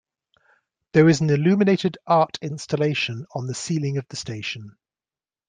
There is an illuminated art installation on the ceiling of the station.